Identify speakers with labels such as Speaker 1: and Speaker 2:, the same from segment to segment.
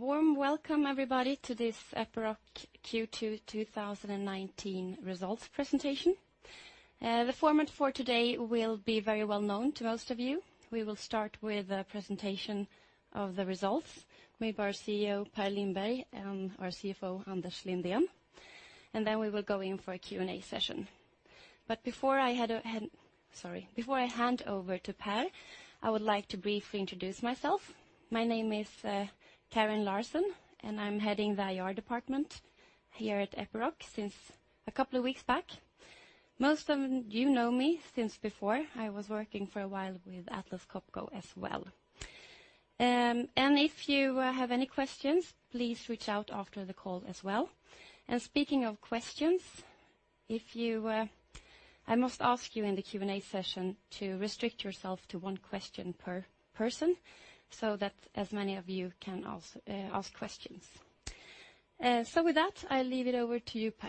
Speaker 1: A warm welcome, everybody, to this Epiroc Q2 2019 results presentation. The format for today will be very well known to most of you. We will start with a presentation of the results made by our CEO, Per Lindberg, and our CFO, Anders Lindén. Then we will go in for a Q&A session. Before I hand over to Per, I would like to briefly introduce myself. My name is Karin Larsson, and I'm heading the IR department here at Epiroc since a couple of weeks back. Most of you know me since before, I was working for a while with Atlas Copco as well. If you have any questions, please reach out after the call as well. Speaking of questions, I must ask you in the Q&A session to restrict yourself to one question per person, so that as many of you can ask questions. With that, I leave it over to you, Per.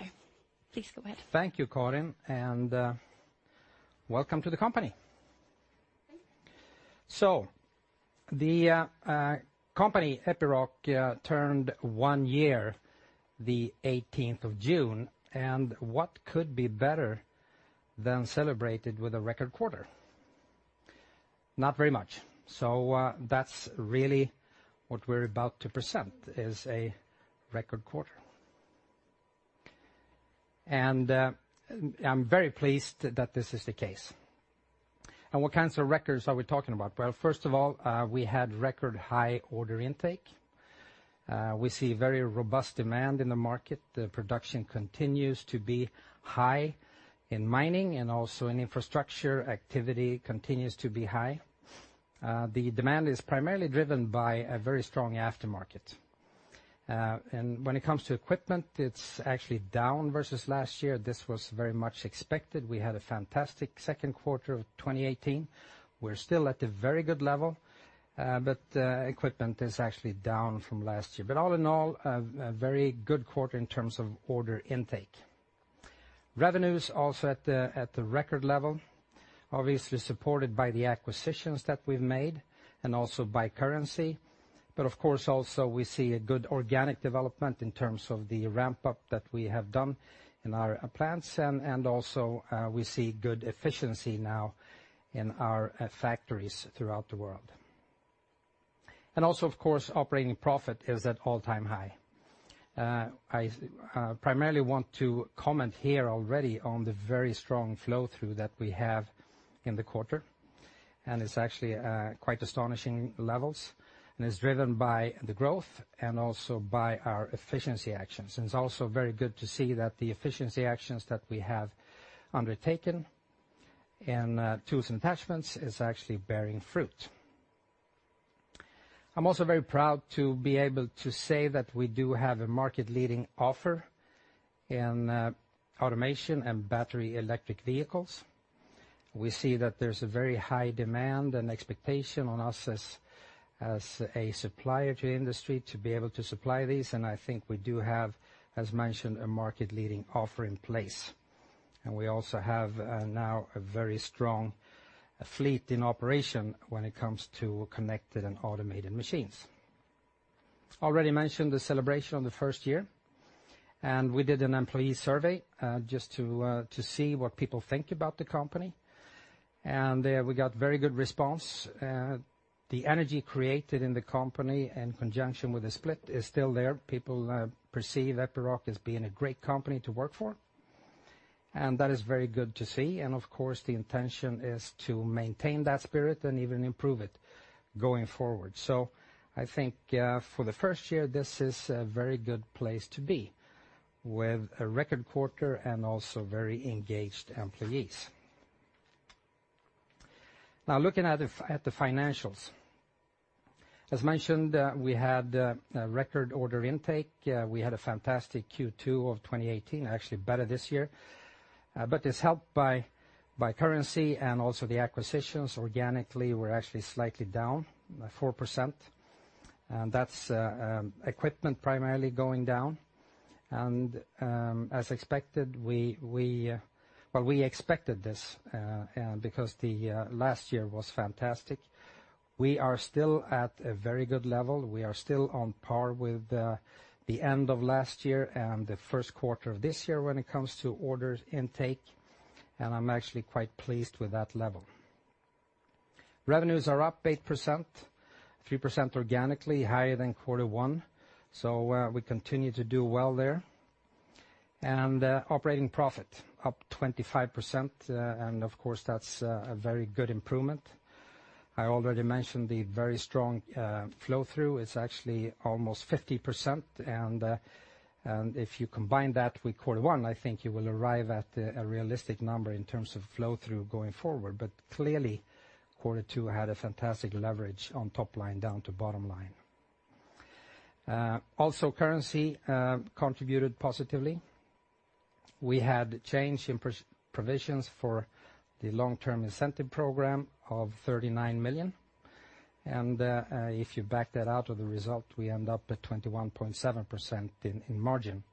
Speaker 1: Please go ahead.
Speaker 2: Thank you, Karin. Welcome to the company.
Speaker 1: Thank you.
Speaker 2: The company, Epiroc, turned one year the 18th of June, what could be better than celebrate it with a record quarter? Not very much. That's really what we're about to present is a record quarter. I'm very pleased that this is the case. What kinds of records are we talking about? Well, first of all, we had record high order intake. We see very robust demand in the market. The production continues to be high in mining and also in infrastructure. Activity continues to be high. The demand is primarily driven by a very strong aftermarket. When it comes to equipment, it's actually down versus last year. This was very much expected. We had a fantastic second quarter of 2018. We're still at a very good level, but equipment is actually down from last year. All in all, a very good quarter in terms of order intake. Revenues also at the record level, obviously supported by the acquisitions that we've made and also by currency. Of course also we see a good organic development in terms of the ramp-up that we have done in our plants, we see good efficiency now in our factories throughout the world. Of course, operating profit is at all-time high. I primarily want to comment here already on the very strong flow-through that we have in the quarter, it's actually quite astonishing levels, it's driven by the growth and also by our efficiency actions. It's also very good to see that the efficiency actions that we have undertaken in tools and attachments is actually bearing fruit. I'm also very proud to be able to say that we do have a market-leading offer in automation and battery electric vehicles. We see that there's a very high demand and expectation on us as a supplier to the industry to be able to supply these, I think we do have, as mentioned, a market-leading offer in place. We also have now a very strong fleet in operation when it comes to connected and automated machines. Already mentioned the celebration on the first year, we did an employee survey just to see what people think about the company, we got very good response. The energy created in the company in conjunction with the split is still there. People perceive Epiroc as being a great company to work for, that is very good to see. Of course, the intention is to maintain that spirit and even improve it going forward. I think for the first year, this is a very good place to be with a record quarter and also very engaged employees. Now looking at the financials. As mentioned, we had a record order intake. We had a fantastic Q2 of 2018, actually better this year. It's helped by currency and also the acquisitions. Organically, we're actually slightly down by 4%, that's equipment primarily going down. Well, we expected this, because the last year was fantastic. We are still at a very good level. We are still on par with the end of last year and the first quarter of this year when it comes to orders intake, I'm actually quite pleased with that level. Revenues are up 8%, 3% organically higher than quarter one. We continue to do well there. Operating profit up 25%, of course, that's a very good improvement. I already mentioned the very strong flow-through. It's actually almost 50%. If you combine that with quarter one, I think you will arrive at a realistic number in terms of flow-through going forward. Clearly, quarter two had a fantastic leverage on top line down to bottom line. Also, currency contributed positively. We had change in provisions for the long-term incentive program of 39 million. If you back that out of the result, we end up at 21.7% in margin.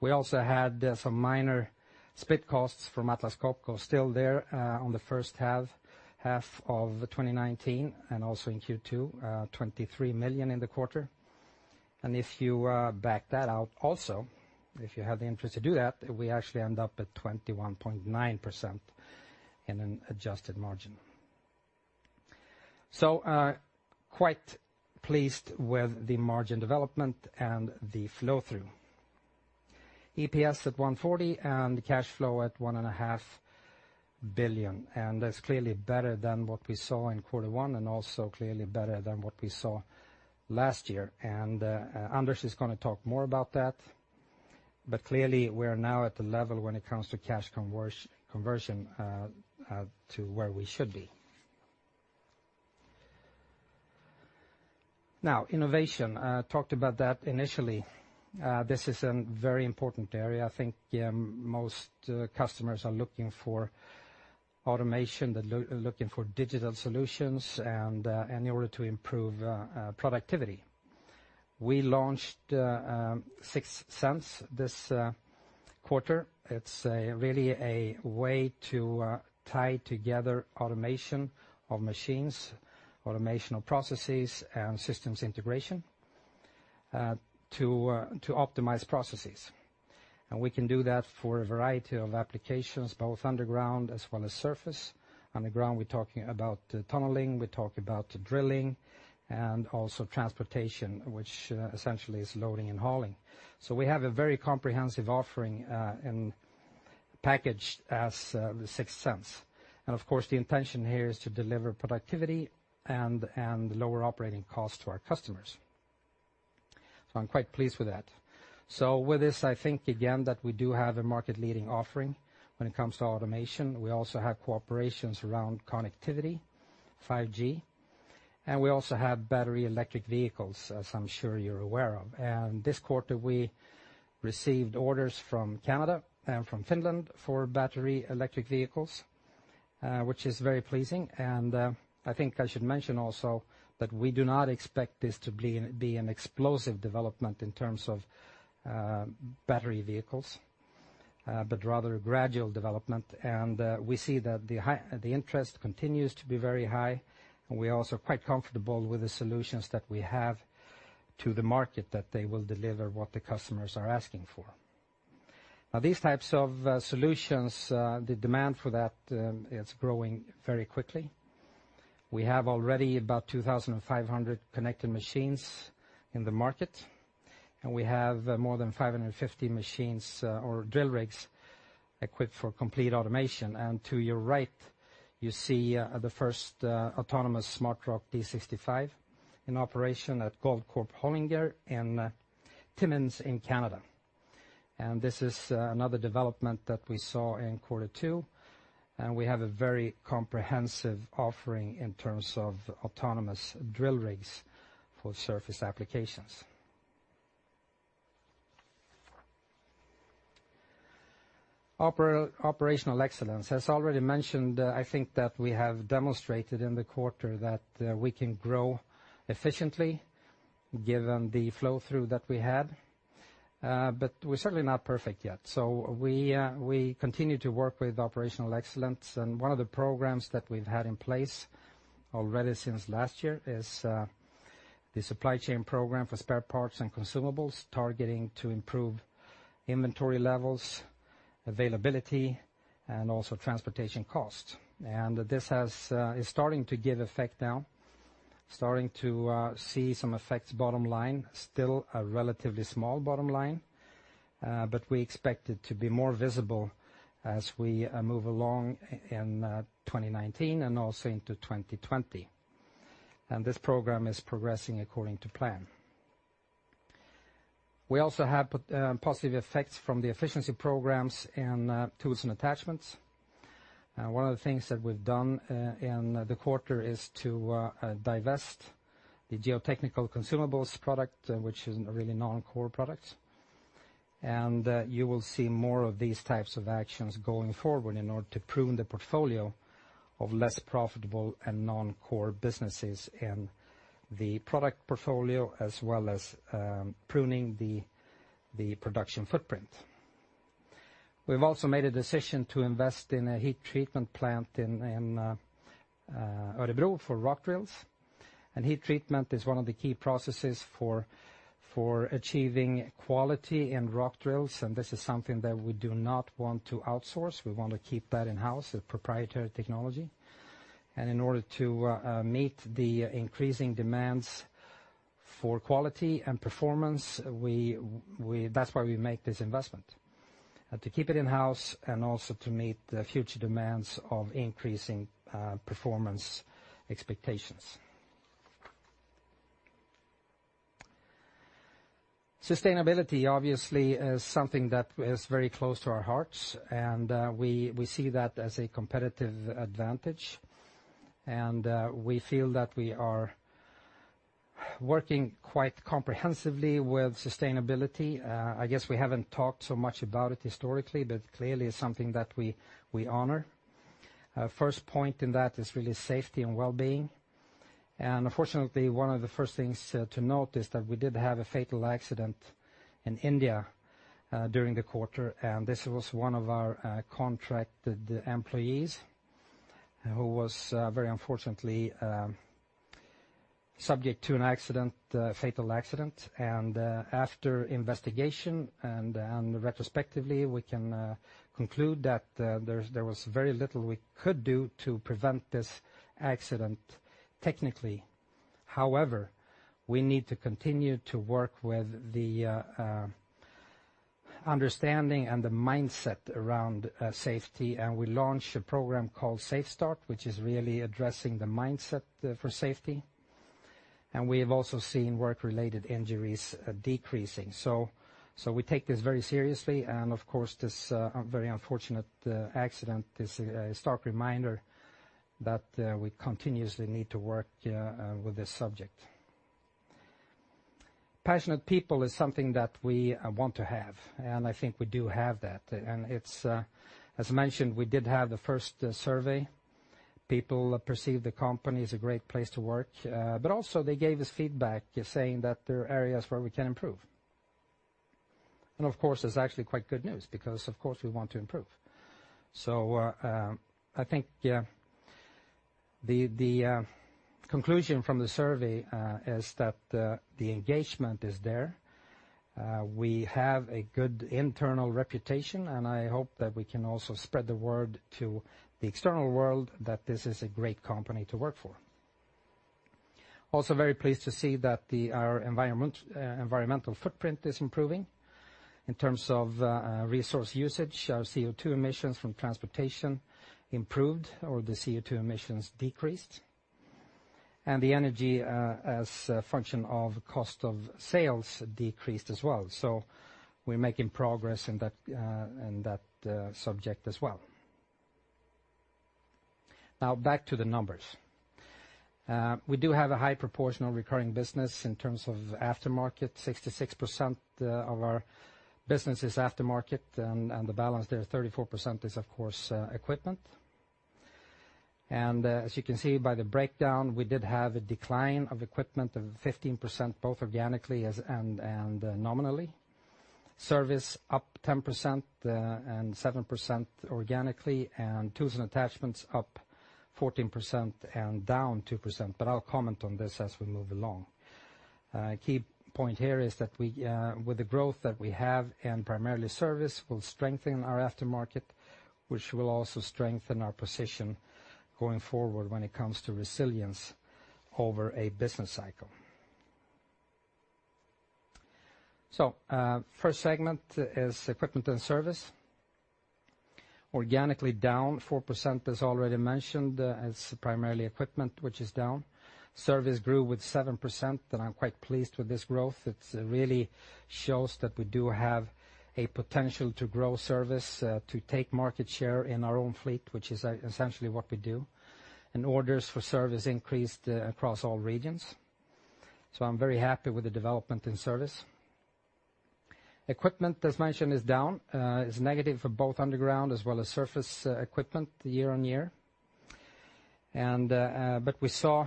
Speaker 2: We also had some minor split costs from Atlas Copco still there on the first half of 2019 and also in Q2, 23 million in the quarter. If you back that out also, if you have the interest to do that, we actually end up at 21.9% in an adjusted margin. Quite pleased with the margin development and the flow-through. EPS at 140 and cash flow at one and a half billion. That's clearly better than what we saw in quarter one and also clearly better than what we saw last year. Anders is going to talk more about that. Clearly we are now at the level when it comes to cash conversion, to where we should be. Now, innovation. I talked about that initially. This is a very important area. I think most customers are looking for automation, they're looking for digital solutions in order to improve productivity. We launched 6th Sense this quarter. It's really a way to tie together automation of machines, automation of processes, and systems integration, to optimize processes. We can do that for a variety of applications, both underground as well as surface. Underground, we're talking about tunneling, we talk about drilling and also transportation, which essentially is loading and hauling. We have a very comprehensive offering, packaged as the 6th Sense. Of course, the intention here is to deliver productivity and lower operating costs to our customers. I'm quite pleased with that. With this, I think, again, that we do have a market-leading offering when it comes to automation. We also have cooperations around connectivity, 5G, and we also have battery electric vehicles, as I'm sure you're aware of. This quarter, we received orders from Canada and from Finland for battery electric vehicles, which is very pleasing. I think I should mention also that we do not expect this to be an explosive development in terms of battery vehicles, but rather a gradual development. We see that the interest continues to be very high, and we are also quite comfortable with the solutions that we have to the market that they will deliver what the customers are asking for. Now, these types of solutions, the demand for that is growing very quickly. We have already about 2,500 connected machines in the market, and we have more than 550 machines or drill rigs equipped for complete automation. To your right, you see the first autonomous SmartROC D65 in operation at Goldcorp Hollinger in Timmins in Canada. This is another development that we saw in quarter two, and we have a very comprehensive offering in terms of autonomous drill rigs for surface applications. Operational excellence. As already mentioned, I think that we have demonstrated in the quarter that we can grow efficiently given the flow-through that we had. We're certainly not perfect yet. We continue to work with operational excellence, and one of the programs that we've had in place already since last year is the supply chain program for spare parts and consumables, targeting to improve inventory levels, availability, and also transportation costs. This is starting to give effect now, starting to see some effects bottom line. Still a relatively small bottom line, but we expect it to be more visible as we move along in 2019 and also into 2020. This program is progressing according to plan. We also have positive effects from the efficiency programs in Tools & Attachments. One of the things that we've done in the quarter is to divest the geotechnical consumables product, which is really non-core products. You will see more of these types of actions going forward in order to prune the portfolio of less profitable and non-core businesses in the product portfolio, as well as pruning the production footprint. We've also made a decision to invest in a heat treatment plant in Örebro for rock drills. Heat treatment is one of the key processes for achieving quality in rock drills, and this is something that we do not want to outsource. We want to keep that in-house, a proprietary technology. In order to meet the increasing demands for quality and performance, that's why we make this investment. To keep it in-house and also to meet the future demands of increasing performance expectations. Sustainability obviously is something that is very close to our hearts, and we see that as a competitive advantage. We feel that we are working quite comprehensively with sustainability. I guess we haven't talked so much about it historically, but clearly it's something that we honor. First point in that is really safety and wellbeing. And unfortunately, one of the first things to note is that we did have a fatal accident in India during the quarter, and this was one of our contracted employees who was very unfortunately subject to an accident, a fatal accident. After investigation and retrospectively, we can conclude that there was very little we could do to prevent this accident technically. However, we need to continue to work with the understanding and the mindset around safety, and we launched a program called Safe Start, which is really addressing the mindset for safety. We have also seen work-related injuries decreasing. We take this very seriously, and of course, this very unfortunate accident is a stark reminder that we continuously need to work with this subject. Passionate people is something that we want to have, and I think we do have that. As mentioned, we did have the first survey. People perceive the company as a great place to work. Also they gave us feedback saying that there are areas where we can improve. Of course, it's actually quite good news because of course we want to improve. I think the conclusion from the survey is that the engagement is there. We have a good internal reputation, and I hope that we can also spread the word to the external world that this is a great company to work for. Very pleased to see that our environmental footprint is improving in terms of resource usage. Our CO2 emissions from transportation improved, or the CO2 emissions decreased. The energy, as a function of cost of sales, decreased as well. We're making progress in that subject as well. Now back to the numbers. We do have a high proportion of recurring business in terms of aftermarket. 66% of our business is aftermarket, and the balance there, 34%, is, of course, equipment. As you can see by the breakdown, we did have a decline of equipment of 15%, both organically and nominally. Service up 10% and 7% organically, and tools and attachments up 14% and down 2%, but I'll comment on this as we move along. A key point here is that with the growth that we have, and primarily service, will strengthen our aftermarket, which will also strengthen our position going forward when it comes to resilience over a business cycle. First segment is equipment and service. Organically down 4%, as already mentioned. It's primarily equipment which is down. Service grew with 7% and I'm quite pleased with this growth. It really shows that we do have a potential to grow service to take market share in our own fleet, which is essentially what we do. Orders for service increased across all regions. I'm very happy with the development in service. Equipment, as mentioned, is down. It's negative for both underground as well as surface equipment year-on-year. We saw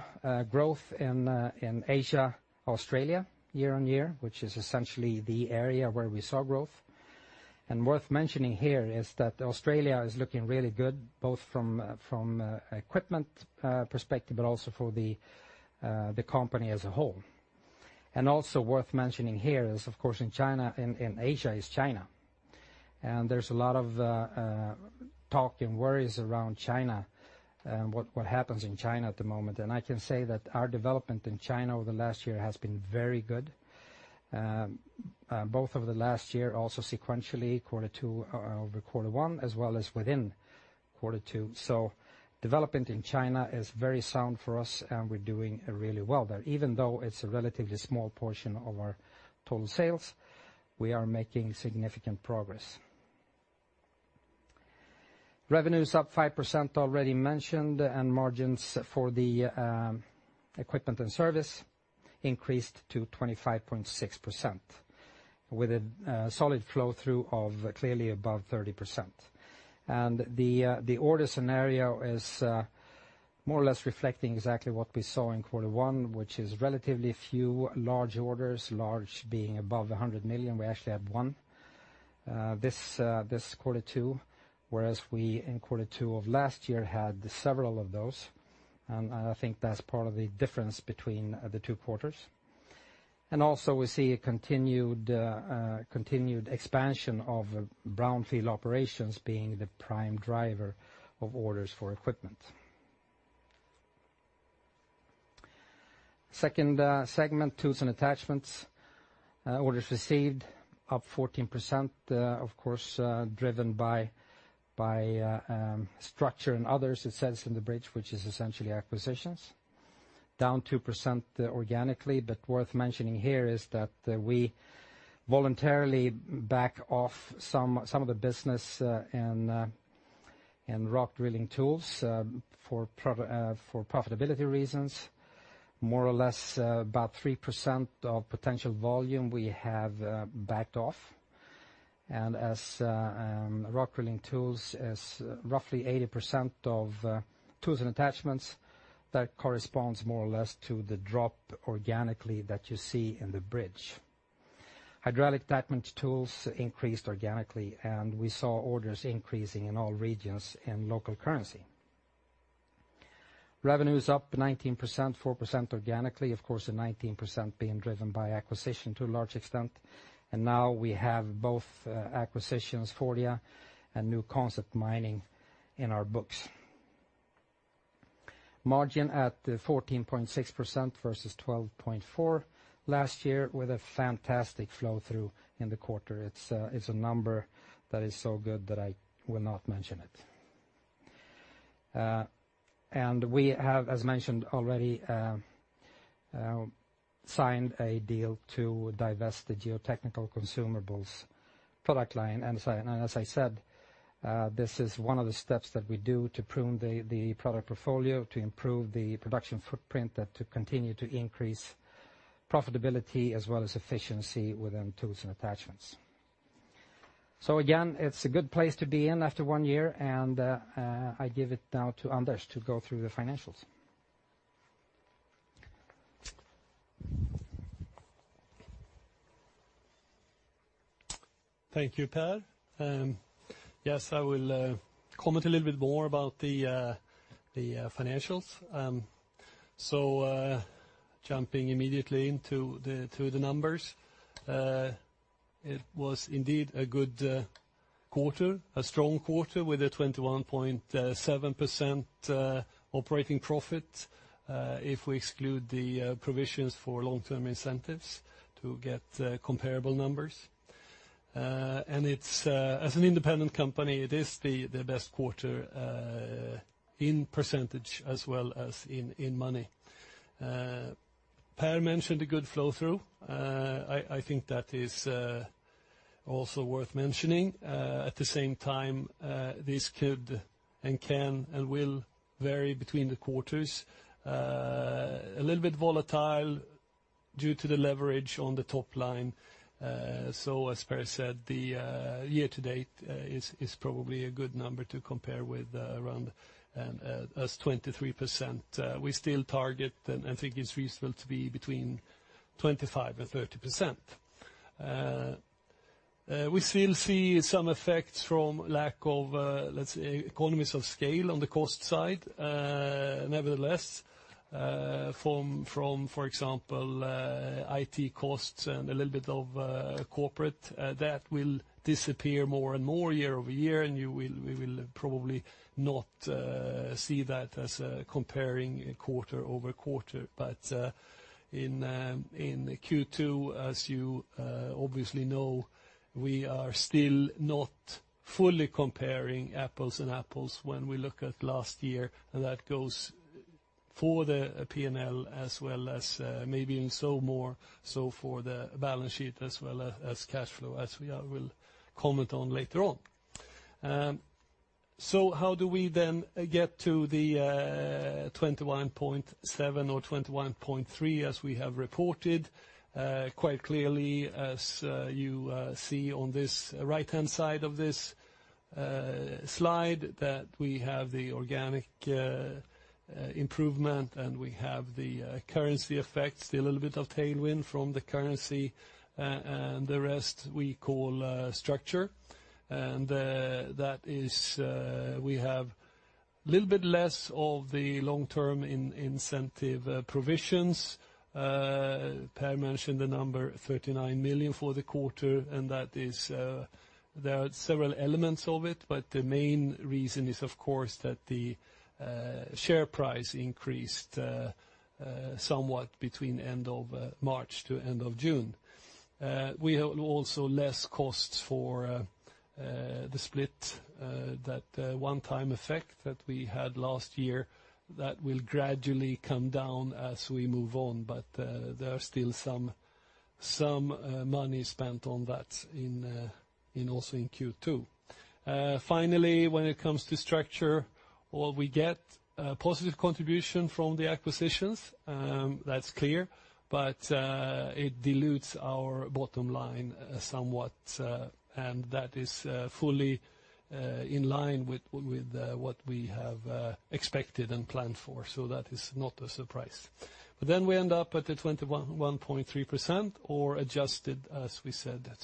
Speaker 2: growth in Asia, Australia year-on-year, which is essentially the area where we saw growth. Worth mentioning here is that Australia is looking really good, both from equipment perspective, but also for the company as a whole. Also worth mentioning here is, of course, in Asia is China. There's a lot of talk and worries around China, what happens in China at the moment. I can say that our development in China over the last year has been very good, both over the last year, also sequentially, quarter two over quarter one, as well as within quarter two. Development in China is very sound for us, and we're doing really well there. Even though it's a relatively small portion of our total sales, we are making significant progress. Revenue is up 5%, already mentioned, and margins for the equipment and service increased to 25.6% with a solid flow-through of clearly above 30%. The order scenario is more or less reflecting exactly what we saw in quarter one, which is relatively few large orders, large being above 100 million. We actually had one this quarter two, whereas we in quarter two of last year had several of those, and I think that's part of the difference between the two quarters. Also we see a continued expansion of brownfield operations being the prime driver of orders for equipment. Second segment, tools and attachments. Orders received up 14%, of course, driven by structure and others it says in the bridge, which is essentially acquisitions. Down 2% organically, worth mentioning here is that we voluntarily back off some of the business in rock drilling tools, for profitability reasons, more or less about 3% of potential volume we have backed off. As rock drilling tools is roughly 80% of Tools and Attachments, that corresponds more or less to the drop organically that you see in the bridge. Hydraulic attachment tools increased organically, and we saw orders increasing in all regions in local currency. Revenue is up 19%, 4% organically, of course, the 19% being driven by acquisition to a large extent. Now we have both acquisitions, Fordia and New Concept Mining, in our books. Margin at 14.6% versus 12.4% last year, with a fantastic flow-through in the quarter. It's a number that is so good that I will not mention it. We have, as mentioned already, signed a deal to divest the geotechnical consumables product line. As I said, this is one of the steps that we do to prune the product portfolio, to improve the production footprint, and to continue to increase profitability as well as efficiency within Tools and Attachments. Again, it's a good place to be in after one year, and I give it now to Anders to go through the financials.
Speaker 3: Thank you, Per. Yes, I will comment a little bit more about the financials. Jumping immediately into the numbers. It was indeed a good quarter, a strong quarter, with a 21.7% operating profit if we exclude the provisions for long-term incentives to get comparable numbers. As an independent company, it is the best quarter in percentage as well as in money. Per mentioned a good flow-through. I think that is also worth mentioning. At the same time, this could and can and will vary between the quarters. A little bit volatile due to the leverage on the top line. As Per said, the year-to-date is probably a good number to compare with around 23%. We still target and think it's reasonable to be between 25% and 30%. We still see some effects from lack of, let's say, economies of scale on the cost side. Nevertheless, from, for example, IT costs and a little bit of corporate, that will disappear more and more year-over-year, we will probably not see that as comparing quarter-over-quarter. In Q2, as you obviously know, we are still not fully comparing apples and apples when we look at last year. That goes for the P&L as well as maybe in so more so for the balance sheet as well as cash flow, as I will comment on later on. How do we then get to the 21.7 or 21.3 as we have reported? Quite clearly, as you see on this right-hand side of this slide, we have the organic improvement, we have the currency effects, a little bit of tailwind from the currency, the rest we call structure. That is, we have a little bit less of the long-term incentive provisions. Per mentioned the 39 million for the quarter. There are several elements of it, but the main reason is, of course, that the share price increased somewhat between end of March to end of June. We have also less costs for the split, that one-time effect that we had last year, that will gradually come down as we move on, but there are still some money spent on that also in Q2. Finally, when it comes to structure, what we get, a positive contribution from the acquisitions, that is clear. It dilutes our bottom line somewhat, and that is fully in line with what we have expected and planned for. That is not a surprise. We end up at the 21.3% or adjusted, as we said, at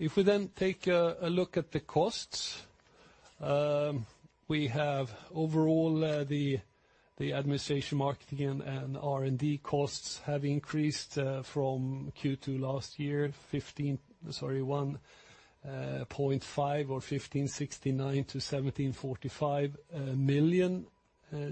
Speaker 3: 21.7%. We then take a look at the costs. We have overall the administration, marketing, and R&D costs have increased from Q2 last year, 1,569 million-1,745 million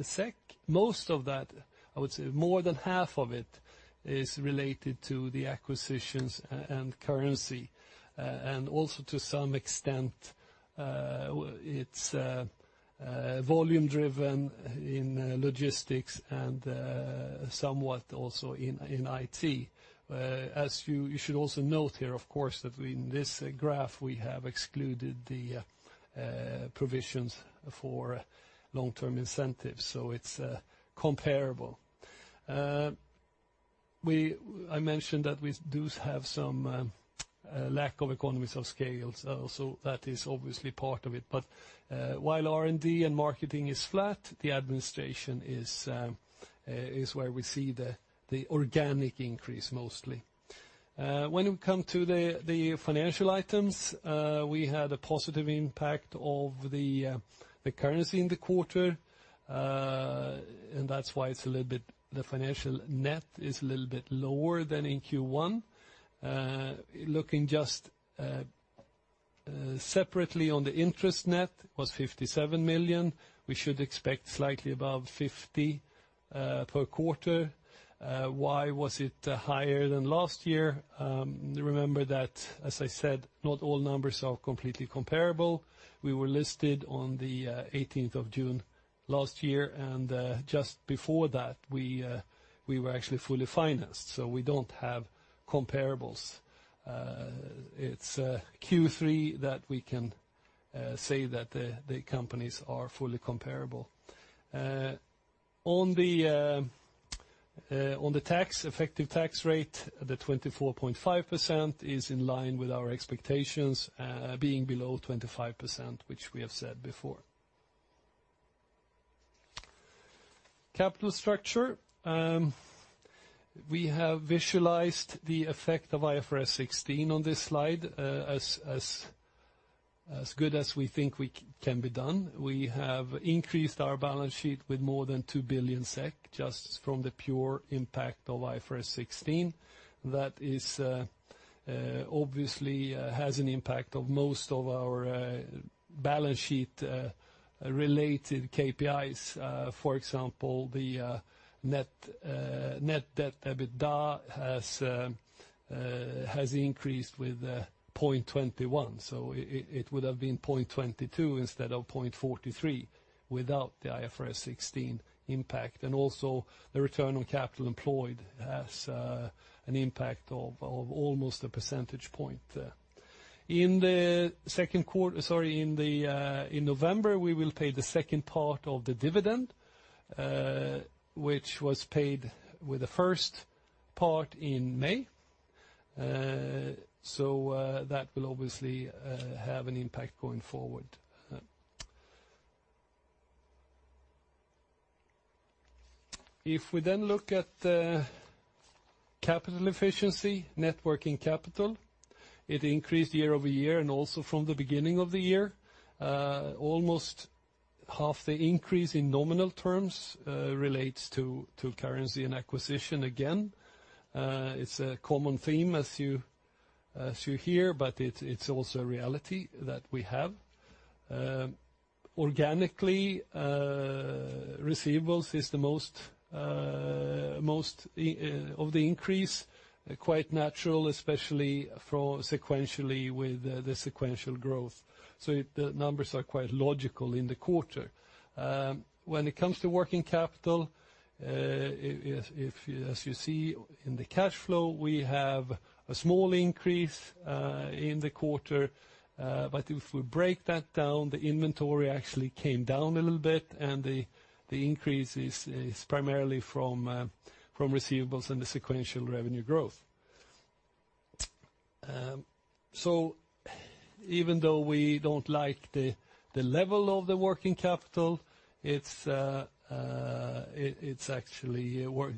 Speaker 3: SEK. Most of that, I would say more than half of it, is related to the acquisitions and currency, and also to some extent, it is volume driven in logistics and somewhat also in IT. You should also note here, of course, that in this graph we have excluded the provisions for long-term incentives, so it is comparable. I mentioned that we do have some lack of economies of scale, so that is obviously part of it. While R&D and marketing is flat, the administration is where we see the organic increase mostly. When we come to the financial items, we had a positive impact of the currency in the quarter. That is why the financial net is a little bit lower than in Q1. Looking just separately on the interest net, it was 57 million. We should expect slightly above 50 million per quarter. Why was it higher than last year? Remember that, as I said, not all numbers are completely comparable. We were listed on the 18th of June last year, and just before that, we were actually fully financed, so we do not have comparables. It is Q3 that we can say that the companies are fully comparable. On the effective tax rate, the 24.5% is in line with our expectations, being below 25%, which we have said before. Capital structure. We have visualized the effect of IFRS 16 on this slide as good as we think it can be done. We have increased our balance sheet with more than 2 billion SEK just from the pure impact of IFRS 16. That obviously has an impact of most of our balance sheet-related KPIs. For example, the net debt, EBITDA, has increased with 0.21, so it would have been 0.22 instead of 0.43 without the IFRS 16 impact. Also the return on capital employed has an impact of almost a percentage point. In November, we will pay the second part of the dividend, which was paid with the first part in May. That will obviously have an impact going forward. We then look at the capital efficiency, net working capital. It increased year-over-year and also from the beginning of the year. Almost half the increase in nominal terms relates to currency and acquisition again. It's a common theme as you hear, but it's also a reality that we have. Organically, receivables is the most of the increase, quite natural, especially sequentially with the sequential growth. The numbers are quite logical in the quarter. When it comes to working capital, as you see in the cash flow, we have a small increase in the quarter, but if we break that down, the inventory actually came down a little bit and the increase is primarily from receivables and the sequential revenue growth. Even though we don't like the level of the working capital, it's actually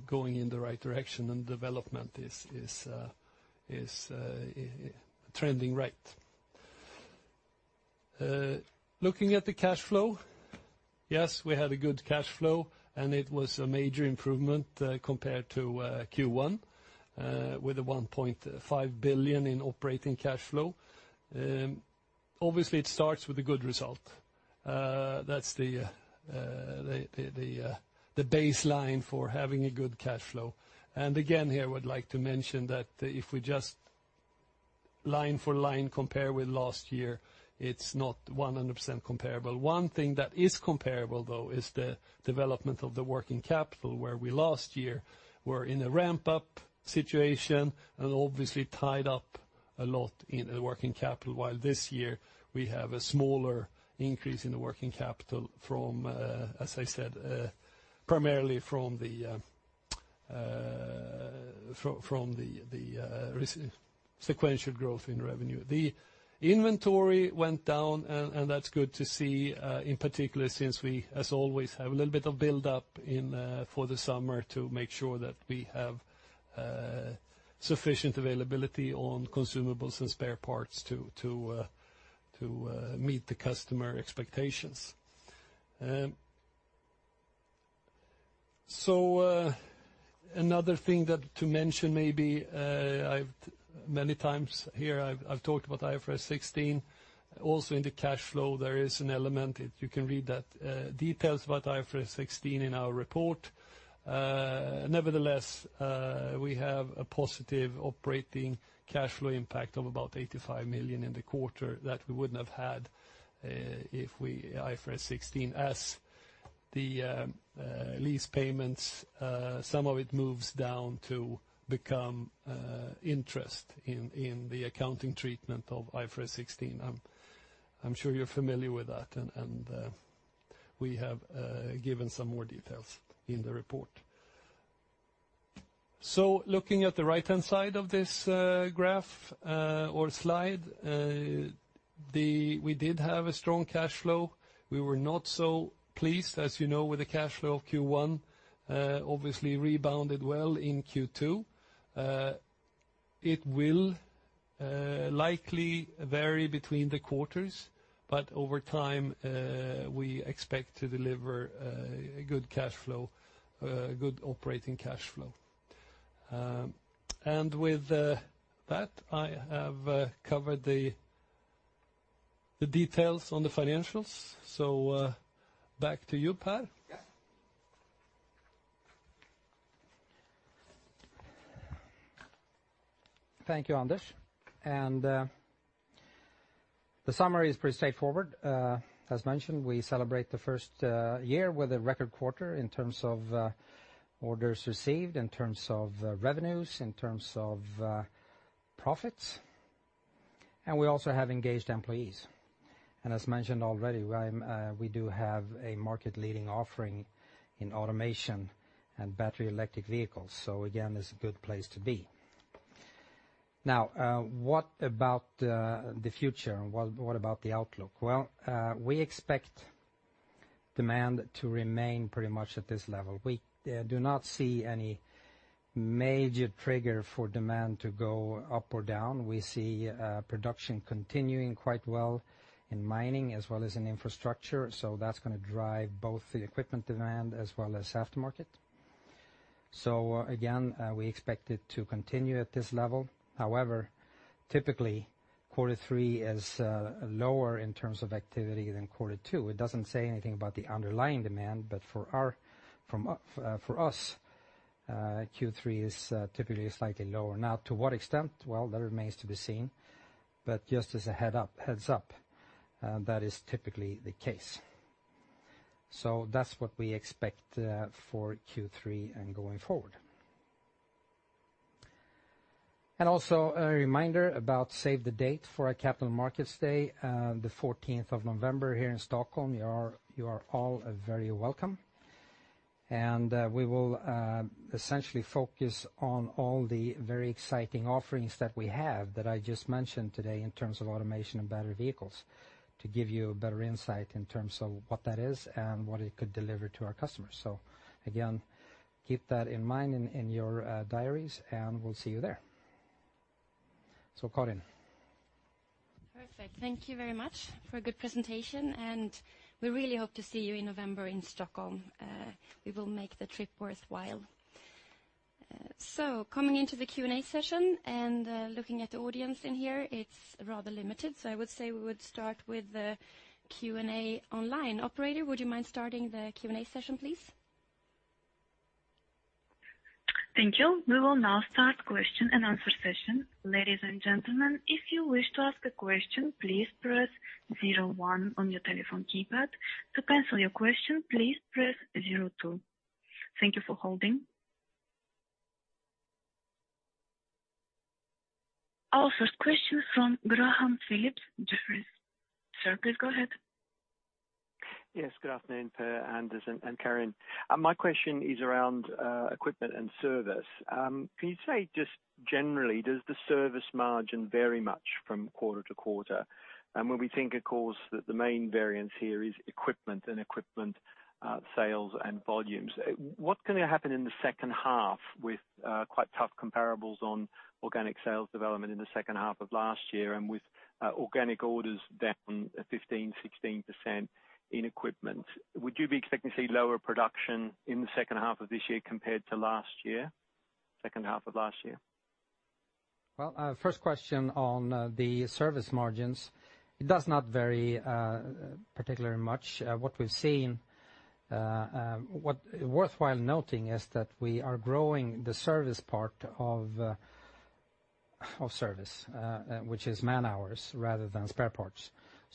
Speaker 3: going in the right direction and development is trending right. Looking at the cash flow. Yes, we had a good cash flow and it was a major improvement compared to Q1 with 1.5 billion in operating cash flow. Obviously, it starts with a good result. That's the baseline for having a good cash flow. Again, here I would like to mention that if we just line for line compare with last year, it's not 100% comparable. One thing that is comparable, though, is the development of the working capital, where we last year were in a ramp-up situation and obviously tied up a lot in the working capital, while this year we have a smaller increase in the working capital from, as I said, primarily from the sequential growth in revenue. The inventory went down, and that's good to see, in particular since we, as always, have a little bit of build-up for the summer to make sure that we have sufficient availability on consumables and spare parts to meet the customer expectations. Another thing to mention maybe, many times here I've talked about IFRS 16. Also in the cash flow, there is an element. You can read the details about IFRS 16 in our report. Nevertheless, we have a positive operating cash flow impact of about 85 million in the quarter that we wouldn't have had if IFRS 16, as the lease payments, some of it moves down to become interest in the accounting treatment of IFRS 16. I'm sure you're familiar with that. We have given some more details in the report. Looking at the right-hand side of this graph, or slide, we did have a strong cash flow. We were not so pleased, as you know, with the cash flow of Q1. Obviously rebounded well in Q2. It will likely vary between the quarters, but over time, we expect to deliver a good operating cash flow. With that, I have covered the details on the financials. Back to you, Per.
Speaker 2: Yes. Thank you, Anders. The summary is pretty straightforward. As mentioned, we celebrate the first year with a record quarter in terms of orders received, in terms of revenues, in terms of profits. We also have engaged employees. As mentioned already, we do have a market-leading offering in automation and battery electric vehicles. Again, it's a good place to be. Now, what about the future? What about the outlook? Well, we expect demand to remain pretty much at this level. We do not see any major trigger for demand to go up or down. We see production continuing quite well in mining as well as in infrastructure. That's going to drive both the equipment demand as well as aftermarket. Again, we expect it to continue at this level. However, typically quarter three is lower in terms of activity than quarter two. It doesn't say anything about the underlying demand, but for us, Q3 is typically slightly lower. Now, to what extent? Well, that remains to be seen, but just as a heads up, that is typically the case. That's what we expect for Q3 and going forward. Also a reminder about save the date for our capital markets day, the 14th of November here in Stockholm. You are all very welcome. We will essentially focus on all the very exciting offerings that we have that I just mentioned today in terms of automation and battery electric vehicles to give you a better insight in terms of what that is and what it could deliver to our customers. Again, keep that in mind in your diaries, and we'll see you there. Karin.
Speaker 1: Perfect. Thank you very much for a good presentation, and we really hope to see you in November in Stockholm. We will make the trip worthwhile. Coming into the Q&A session and looking at the audience in here, it's rather limited. I would say we would start with the Q&A online. Operator, would you mind starting the Q&A session, please?
Speaker 4: Thank you. We will now start question-and-answer session. Ladies and gentlemen, if you wish to ask a question, please press zero one on your telephone keypad. To cancel your question, please press zero two. Thank you for holding. Our first question from Graham Phillips, Jefferies. Sir, please go ahead.
Speaker 5: Yes, good afternoon, Per, Anders, and Karin. My question is around equipment and service. Can you say just generally, does the service margin vary much from quarter to quarter? When we think, of course, that the main variance here is equipment and equipment sales and volumes, what's going to happen in the second half with quite tough comparables on organic sales development in the second half of last year and with organic orders down 15%-16% in equipment? Would you be expecting to see lower production in the second half of this year compared to last year? Second half of last year.
Speaker 2: Well, first question on the service margins. It does not vary particularly much. What we've seen, what worthwhile noting is that we are growing the service part of service, which is man-hours rather than spare parts.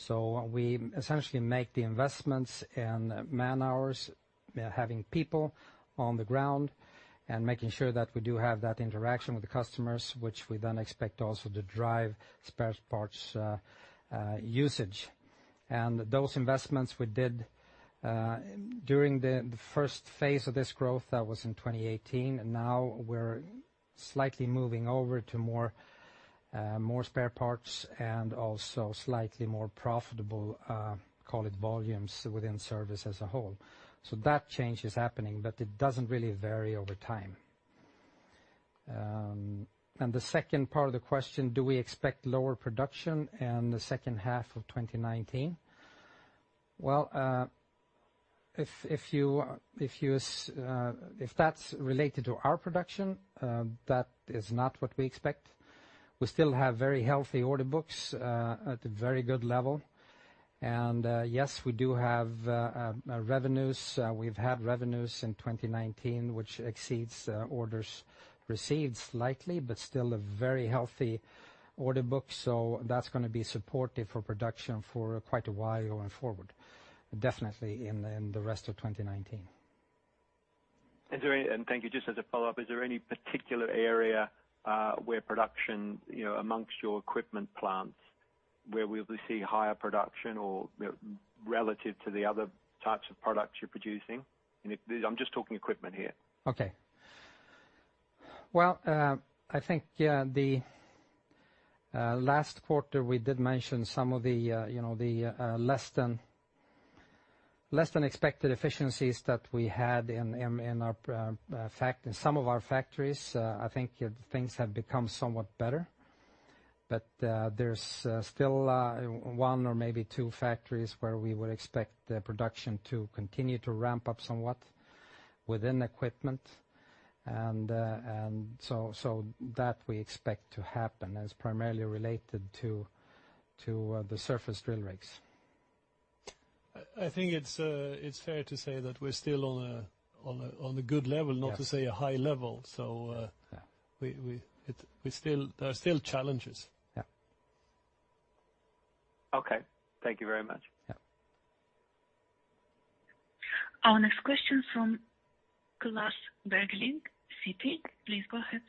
Speaker 2: We essentially make the investments in man-hours, having people on the ground, and making sure that we do have that interaction with the customers, which we then expect also to drive spare parts usage. Those investments we did during the first phase of this growth, that was in 2018. Now we're slightly moving over to more spare parts and also slightly more profitable, call it volumes within service as a whole. That change is happening, but it doesn't really vary over time. The second part of the question, do we expect lower production in the second half of 2019? Well, if that's related to our production, that is not what we expect. We still have very healthy order books at a very good level. Yes, we do have revenues. We've had revenues in 2019, which exceeds orders received slightly, but still a very healthy order book. That's going to be supportive for production for quite a while going forward. Definitely in the rest of 2019.
Speaker 5: Thank you. Just as a follow-up, is there any particular area where production amongst your equipment plants, where we'll be seeing higher production or relative to the other types of products you're producing? I'm just talking equipment here.
Speaker 2: Okay. Well, I think, yeah, the last quarter we did mention some of the less than expected efficiencies that we had in some of our factories. I think things have become somewhat better. There's still one or maybe two factories where we would expect the production to continue to ramp up somewhat within equipment. That we expect to happen as primarily related to the surface drill rigs.
Speaker 3: I think it's fair to say that we're still on a good level. Not to say a high level.
Speaker 2: Yeah.
Speaker 3: There are still challenges.
Speaker 2: Yeah.
Speaker 5: Okay. Thank you very much.
Speaker 2: Yeah.
Speaker 4: Our next question from Klas Bergelind, Citi. Please go ahead.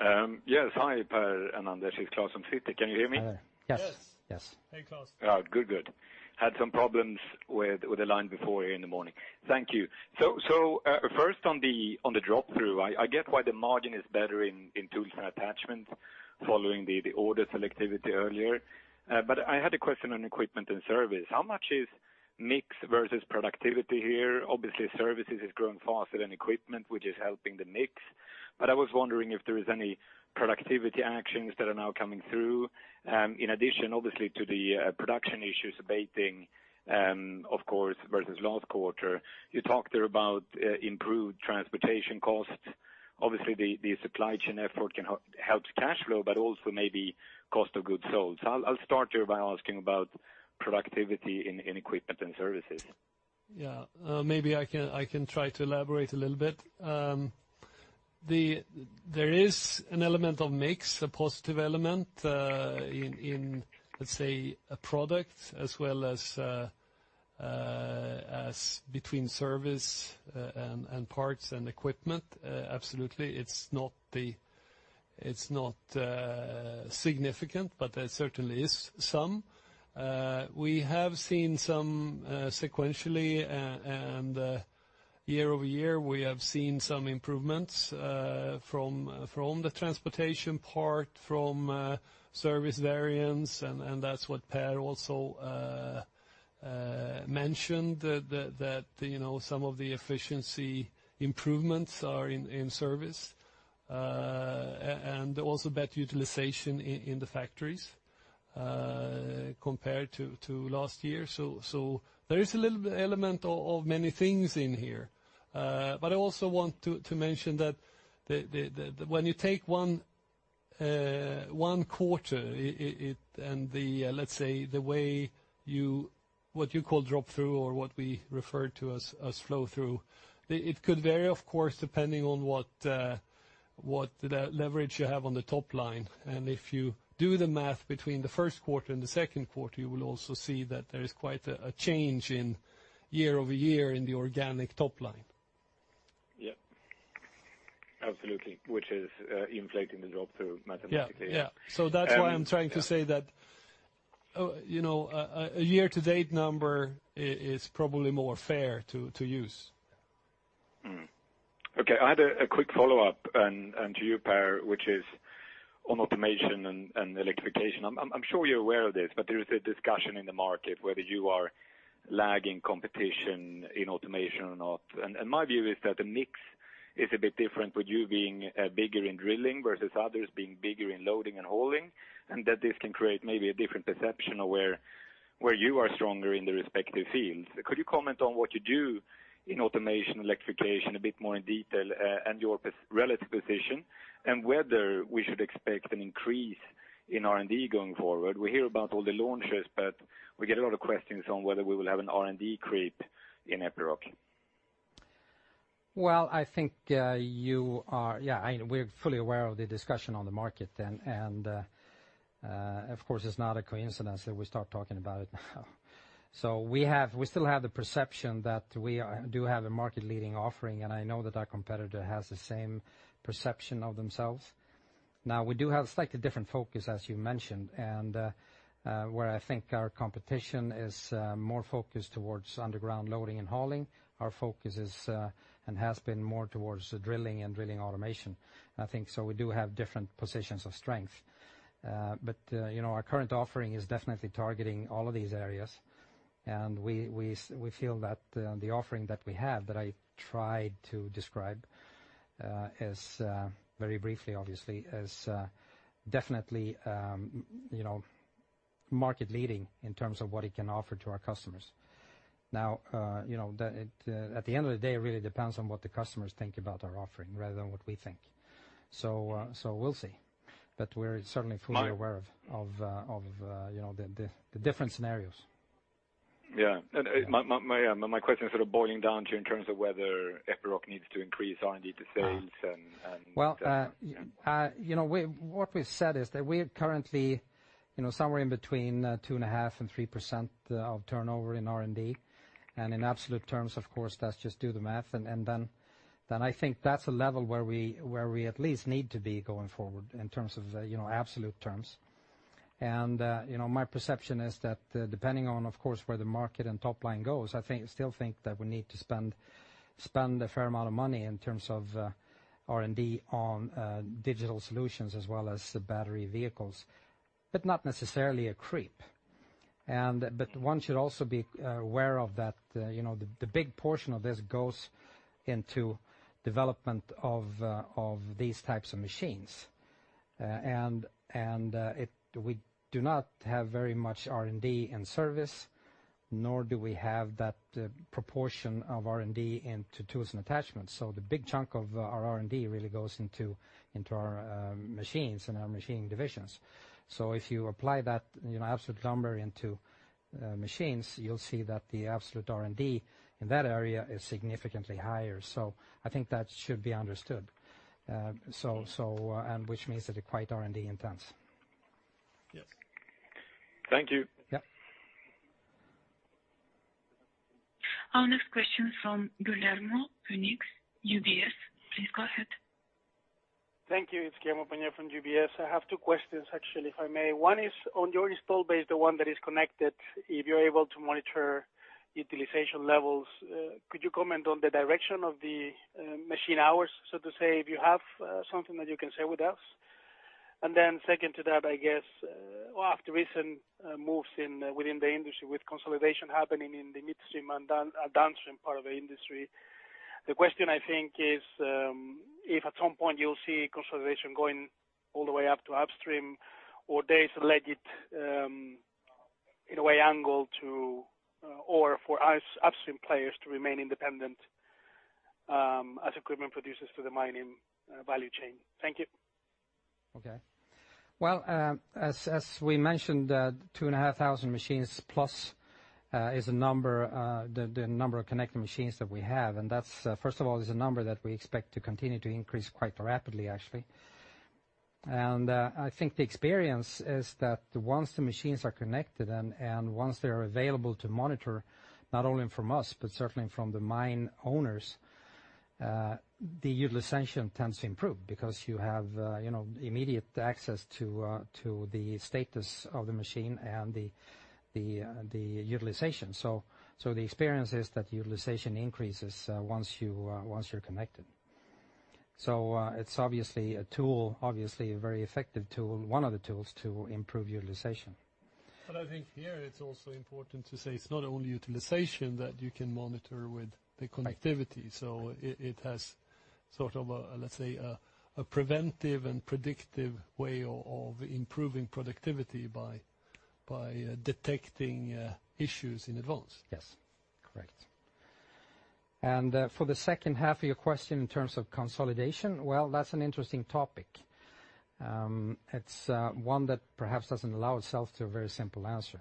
Speaker 6: Hi, Per and Anders. It's Klas from Citi. Can you hear me?
Speaker 2: Hi.
Speaker 3: Yes.
Speaker 6: Yes.
Speaker 3: Hey, Klas.
Speaker 6: Had some problems with the line before here in the morning. Thank you. First on the drop-through, I get why the margin is better in tools and attachments following the order selectivity earlier. I had a question on equipment and service. How much is mix versus productivity here? Obviously, services is growing faster than equipment, which is helping the mix. I was wondering if there is any productivity actions that are now coming through. In addition, obviously, to the production issues abating, of course, versus last quarter. You talked there about improved transportation costs. Obviously, the supply chain effort can help cash flow, but also maybe cost of goods sold. I'll start here by asking about productivity in equipment and services.
Speaker 3: Maybe I can try to elaborate a little bit. There is an element of mix, a positive element, in let's say, a product as well as between service and parts and equipment. Absolutely. It's not significant, but there certainly is some. We have seen some sequentially, and year-over-year, we have seen some improvements from the transportation part, from service variance, and that's what Per also mentioned, that some of the efficiency improvements are in service. Also better utilization in the factories compared to last year. There is a little bit element of many things in here. I also want to mention that when you take one quarter, and let's say the way what you call drop-through or what we refer to as flow-through, it could vary, of course, depending on what leverage you have on the top line. If you do the math between the first quarter and the second quarter, you will also see that there is quite a change in year-over-year in the organic top line.
Speaker 6: Absolutely. Which is inflating the drop-through mathematically.
Speaker 3: That's why I'm trying to say that a year-to-date number is probably more fair to use.
Speaker 6: Okay. I had a quick follow-up to you, Per, which is on automation and electrification. I'm sure you're aware of this, there is a discussion in the market whether you are lagging competition in automation or not. My view is that the mix is a bit different with you being bigger in drilling versus others being bigger in loading and hauling, and that this can create maybe a different perception of where you are stronger in the respective fields. Could you comment on what you do in automation, electrification, a bit more in detail, and your relative position? Whether we should expect an increase in R&D going forward. We hear about all the launches, we get a lot of questions on whether we will have an R&D creep in Epiroc.
Speaker 2: Well, I think we're fully aware of the discussion on the market, of course it's not a coincidence that we start talking about it now. We still have the perception that we do have a market leading offering, I know that our competitor has the same perception of themselves. We do have a slightly different focus, as you mentioned, where I think our competition is more focused towards underground loading and hauling. Our focus is, has been more towards the drilling and drilling automation. I think we do have different positions of strength. Our current offering is definitely targeting all of these areas, we feel that the offering that we have, that I tried to describe, very briefly obviously, is definitely market leading in terms of what it can offer to our customers. At the end of the day, it really depends on what the customers think about our offering rather than what we think. We'll see. We're certainly fully aware of the different scenarios.
Speaker 6: Yeah. My question is sort of boiling down to in terms of whether Epiroc needs to increase R&D to sales.
Speaker 2: Well, what we've said is that we're currently somewhere in between 2.5% and 3% of turnover in R&D, in absolute terms, of course, that's just do the math. I think that's a level where we at least need to be going forward in terms of absolute terms. My perception is that depending on, of course, where the market and top line goes, I still think that we need to spend a fair amount of money in terms of R&D on digital solutions as well as battery vehicles. Not necessarily a creep. One should also be aware of that the big portion of this goes into development of these types of machines. We do not have very much R&D in service, nor do we have that proportion of R&D into tools and attachments. The big chunk of our R&D really goes into our machines and our machine divisions. If you apply that absolute number into machines, you'll see that the absolute R&D in that area is significantly higher. I think that should be understood, which means that they're quite R&D intense.
Speaker 6: Yes. Thank you.
Speaker 2: Yeah.
Speaker 4: Our next question is from Guillermo Peigneux, UBS. Please go ahead.
Speaker 7: Thank you. It's Guillermo Peigneux from UBS. I have two questions, actually, if I may. One is on your install base, the one that is connected, if you're able to monitor utilization levels, could you comment on the direction of the machine hours, so to say, if you have something that you can share with us? Second to that, I guess, after recent moves within the industry with consolidation happening in the midstream and downstream part of the industry, the question I think is, if at some point you'll see consolidation going all the way up to upstream, or there's a legit, in a way angle to or for upstream players to remain independent as equipment producers to the mining value chain. Thank you.
Speaker 2: Okay. Well, as we mentioned, 2,500 machines plus is the number of connected machines that we have. That first of all, is a number that we expect to continue to increase quite rapidly, actually. I think the experience is that once the machines are connected and once they're available to monitor, not only from us, but certainly from the mine owners, the utilization tends to improve because you have immediate access to the status of the machine and the utilization. The experience is that the utilization increases once you're connected. It's obviously a very effective tool, one of the tools to improve utilization.
Speaker 3: I think here it's also important to say it's not only utilization that you can monitor with the connectivity. It has sort of a, let's say, a preventive and predictive way of improving productivity by detecting issues in advance.
Speaker 2: Yes. Correct. For the second half of your question in terms of consolidation, well, that's an interesting topic. It's one that perhaps doesn't allow itself to a very simple answer.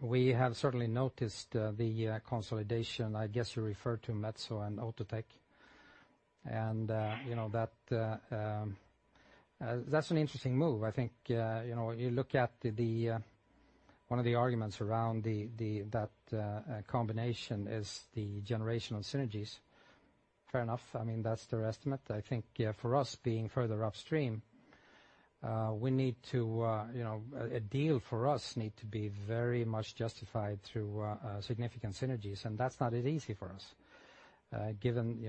Speaker 2: We have certainly noticed the consolidation. I guess you refer to Metso and Outotec, that's an interesting move. I think, you look at one of the arguments around that combination is the generational synergies. Fair enough. That's their estimate. I think for us, being further upstream, a deal for us need to be very much justified through significant synergies, and that's not as easy for us. Given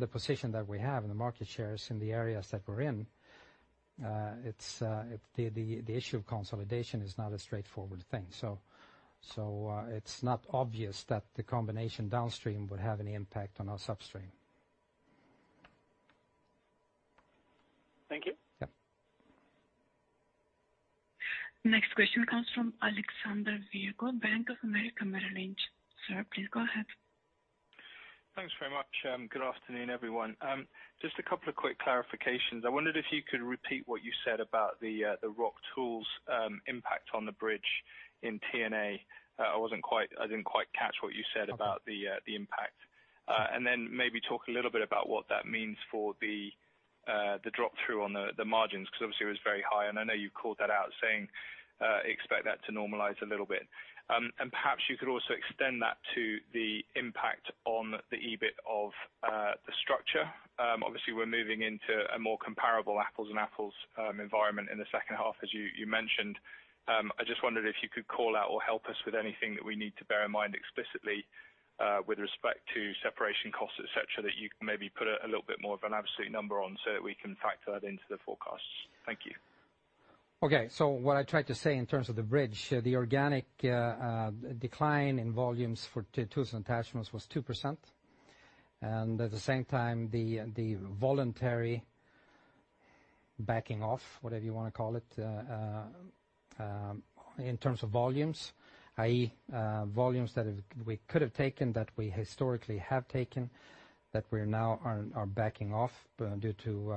Speaker 2: the position that we have and the market shares in the areas that we're in, the issue of consolidation is not a straightforward thing. It's not obvious that the combination downstream would have any impact on us upstream.
Speaker 7: Thank you.
Speaker 2: Yeah.
Speaker 4: Next question comes from Alexander Fialko, Bank of America Merrill Lynch. Sir, please go ahead.
Speaker 8: Thanks very much. Good afternoon, everyone. Just a couple of quick clarifications. I wondered if you could repeat what you said about the rock tools impact on the bridge in T&A. I didn't quite catch what you said about the impact. Then maybe talk a little bit about what that means for the drop-through on the margins, because obviously it was very high, and I know you've called that out saying, expect that to normalize a little bit. Perhaps you could also extend that to the impact on the EBIT of the structure. Obviously, we're moving into a more comparable apples and apples environment in the second half, as you mentioned. I just wondered if you could call out or help us with anything that we need to bear in mind explicitly, with respect to separation costs, et cetera, that you can maybe put a little bit more of an absolute number on so that we can factor that into the forecasts. Thank you.
Speaker 2: What I tried to say in terms of the bridge, the organic decline in volumes for Tools & Attachments was 2%. At the same time, the voluntary backing off, whatever you want to call it, in terms of volumes, i.e., volumes that we could have taken, that we historically have taken, that we now are backing off due to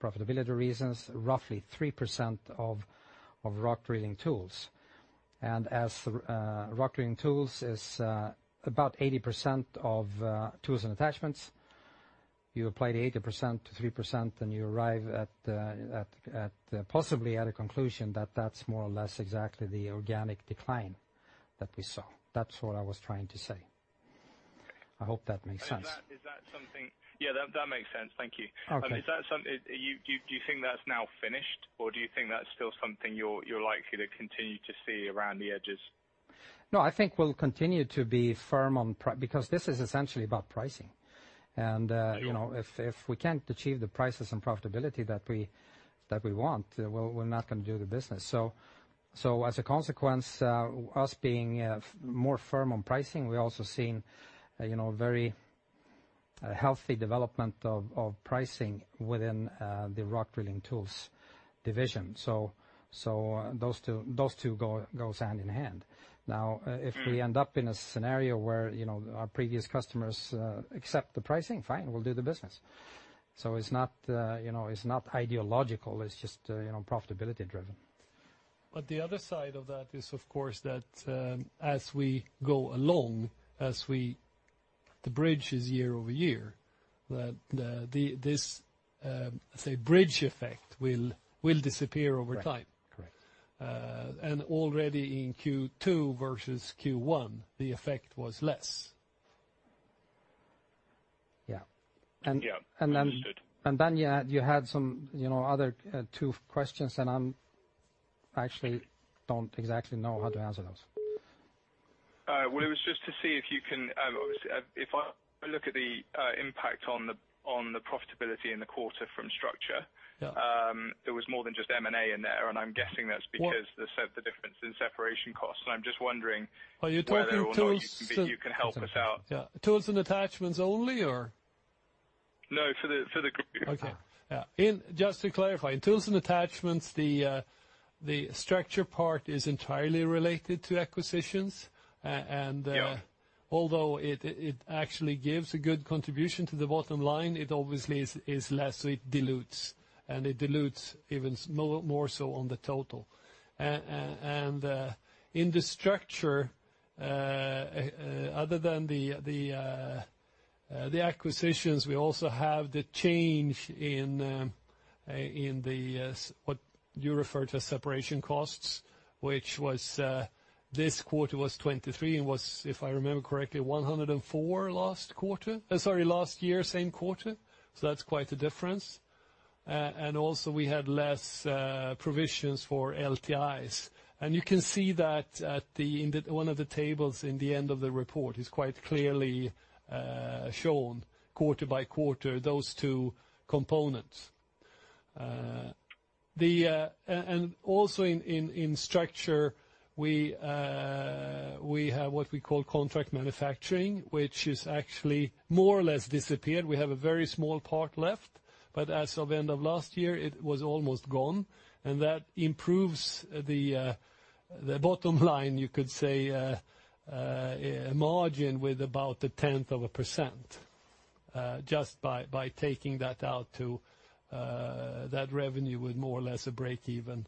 Speaker 2: profitability reasons, roughly 3% of rock drilling tools. As rock drilling tools is about 80% of Tools & Attachments, you apply the 80% to 3% and you arrive possibly at a conclusion that that's more or less exactly the organic decline that we saw. That's what I was trying to say. I hope that makes sense.
Speaker 8: That makes sense. Thank you.
Speaker 2: Okay.
Speaker 8: Do you think that's now finished, or do you think that's still something you're likely to continue to see around the edges?
Speaker 2: I think we'll continue to be firm, because this is essentially about pricing.
Speaker 8: Sure.
Speaker 2: If we can't achieve the prices and profitability that we want, we're not going to do the business. As a consequence, us being more firm on pricing, we're also seeing a very healthy development of pricing within the rock drilling tools division. Those two go hand in hand. If we end up in a scenario where our previous customers accept the pricing, fine, we'll do the business. It's not ideological, it's just profitability driven.
Speaker 3: The other side of that is, of course, that as we go along, the bridge is year-over-year, that this, say, bridge effect will disappear over time.
Speaker 2: Correct.
Speaker 3: Already in Q2 versus Q1, the effect was less.
Speaker 2: Yeah.
Speaker 8: Yeah. Understood.
Speaker 2: You had some other two questions, I actually don't exactly know how to answer those.
Speaker 8: It was just to see if I look at the impact on the profitability in the quarter from structure, there was more than just M&A in there, and I'm guessing that's because the difference in separation costs. I'm just wondering whether or not you can help us out.
Speaker 3: Yeah. Tools and Attachments only, or?
Speaker 8: No, for the group.
Speaker 3: Okay. Yeah. Just to clarify, in Tools & Attachments, the structure part is entirely related to acquisitions.
Speaker 8: Yeah.
Speaker 3: Although it actually gives a good contribution to the bottom line, it obviously is less, so it dilutes. It dilutes even more so on the total. In the structure, other than the acquisitions, we also have the change in what you refer to as separation costs, which this quarter was 23, and was, if I remember correctly, 104 last year, same quarter. That's quite a difference. Also we had less provisions for LTIs. You can see that at one of the tables in the end of the report, it's quite clearly shown quarter by quarter, those two components. In structure, we have what we call contract manufacturing, which has actually more or less disappeared. We have a very small part left, as of end of last year, it was almost gone, that improves the bottom line, you could say, a margin with about 0.1%, just by taking that out to that revenue with more or less a break-even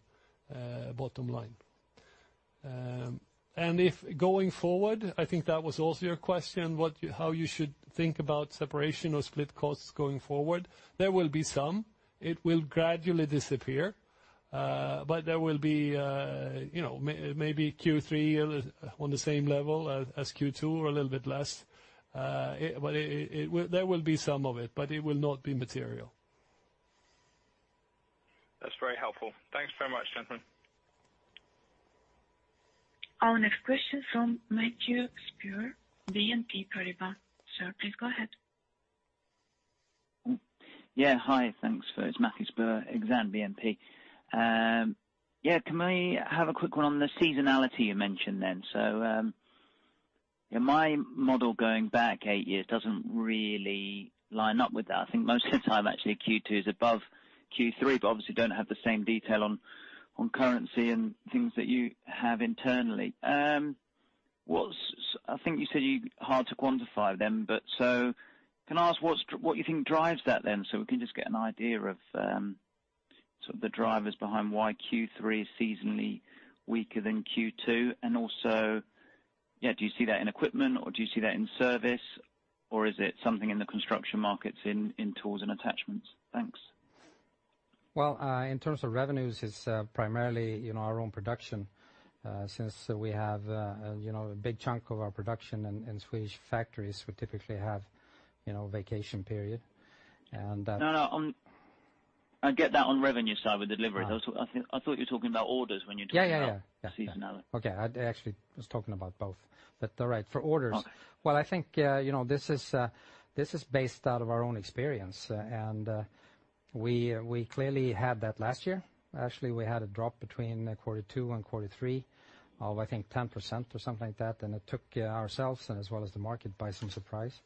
Speaker 3: bottom line. If going forward, I think that was also your question, how you should think about separation or split costs going forward. There will be some. It will gradually disappear. There will be maybe Q3 on the same level as Q2 or a little bit less. There will be some of it, but it will not be material.
Speaker 8: That's very helpful. Thanks very much, gentlemen.
Speaker 4: Our next question from Matthew Spurr, BNP Paribas. Sir, please go ahead.
Speaker 9: Hi, thanks. It's Matthew Spurr, Exane BNP. Can I have a quick one on the seasonality you mentioned then? My model going back eight years doesn't really line up with that. I think most of the time, actually, Q2 is above Q3, obviously don't have the same detail on currency and things that you have internally. I think you said hard to quantify then, can I ask what you think drives that then, so we can just get an idea of the drivers behind why Q3 is seasonally weaker than Q2? Do you see that in equipment or do you see that in service, or is it something in the construction markets in tools and attachments? Thanks.
Speaker 2: Well, in terms of revenues, it's primarily our own production, since we have a big chunk of our production in Swedish factories, we typically have vacation period. No, I get that on revenue side with delivery. I thought you were talking about orders when you're talking about seasonality. Okay. I actually was talking about both. All right, for orders. Okay. Well, I think this is based out of our own experience. We clearly had that last year. Actually, we had a drop between quarter two and quarter three of, I think, 10% or something like that, and it took ourselves, as well as the market, by some surprise.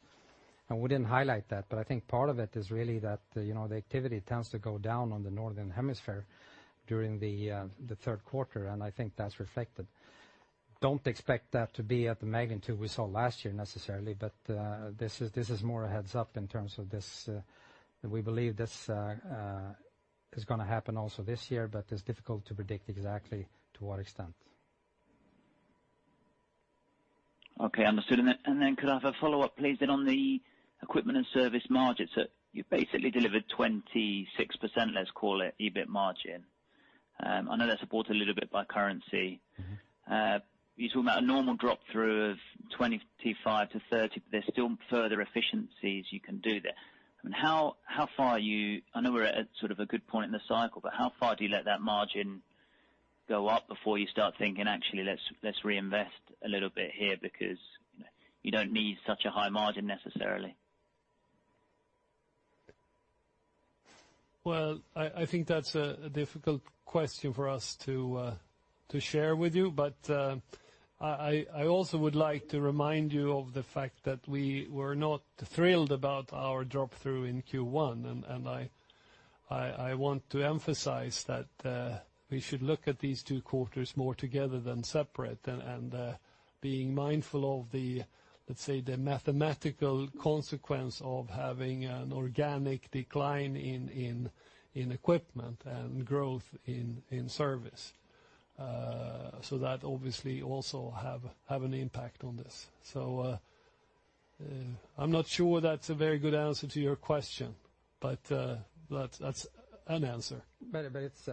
Speaker 2: We didn't highlight that, but I think part of it is really that the activity tends to go down on the northern hemisphere during the third quarter, and I think that's reflected. Don't expect that to be at the magnitude we saw last year necessarily, but this is more a heads-up in terms of this. We believe this. Is going to happen also this year, but it's difficult to predict exactly to what extent. Okay, understood. Could I have a follow-up, please, on the equipment and service margins? You basically delivered 26%, let's call it, EBIT margin. I know that's supported a little bit by currency. You talk about a normal drop-through of 25%-30%. There's still further efficiencies you can do there. I know we're at sort of a good point in the cycle, but how far do you let that margin go up before you start thinking, "Actually, let's reinvest a little bit here," because you don't need such a high margin necessarily?
Speaker 3: Well, I think that's a difficult question for us to share with you. I also would like to remind you of the fact that we were not thrilled about our drop-through in Q1. I want to emphasize that we should look at these two quarters more together than separate, being mindful of the, let's say, the mathematical consequence of having an organic decline in equipment and growth in service. That obviously also have an impact on this. I'm not sure that's a very good answer to your question, but that's an answer.
Speaker 2: It's